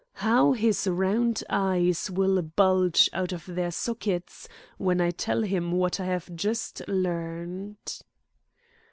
How his round eyes will bulge out of their sockets when I tell him what I have just learnt."